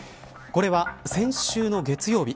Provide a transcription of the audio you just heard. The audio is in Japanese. これは、先週の月曜日